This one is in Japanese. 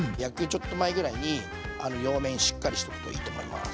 ちょっと前ぐらいに両面しっかりしとくといいと思います。